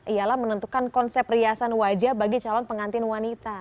ialah menentukan konsep riasan wajah bagi calon pengantin wanita